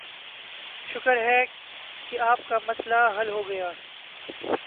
شکر ہے کہ آپ کا مسئلہ حل ہوگیا